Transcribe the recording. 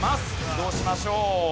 移動しましょう。